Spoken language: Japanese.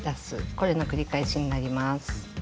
これの繰り返しになります。